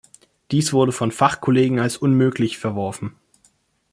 Dies wurde von Fachkollegen als unmöglich verworfen.